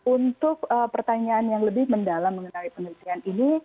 untuk pertanyaan yang lebih mendalam mengenai penelitian ini